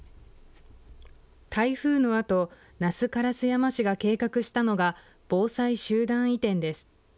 台風のあと那須烏山市が計画したのが防災集団移転です。